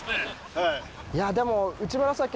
いやでも。